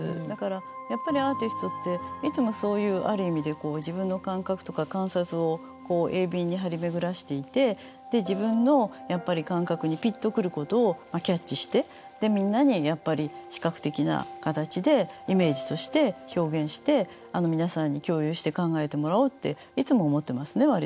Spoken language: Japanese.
だからやっぱりアーティストっていつもそういうある意味で自分の感覚とか観察を鋭敏に張り巡らしていて自分のやっぱり感覚にピッとくることをキャッチしてでみんなにやっぱり視覚的な形でイメージとして表現して皆さんに共有して考えてもらおうっていつも思ってますね